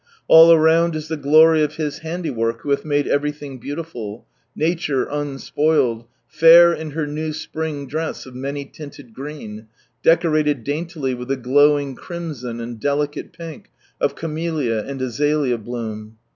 All around is the glory of His handiwork who hath made everything beautiful— nature unspoiled. 12 From Sunrise Land fait in her new spring dress of many tinted green, decorated daintily with the glowing crimson and delicate pink of camellia and azalea btoom.